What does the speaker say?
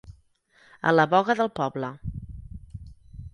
A la boga del poble.